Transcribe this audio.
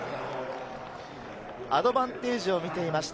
アドバンテージを見ていました。